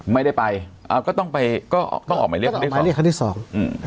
ไม่ได้ไปอ่าก็ต้องไปก็ต้องออกหมายเรียกไปเรียกครั้งที่สองอืม